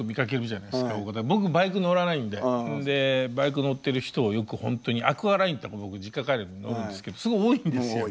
僕バイク乗らないんででバイク乗ってる人をよくほんとにアクアラインって僕実家帰る時に乗るんですけどすごい多いんですよ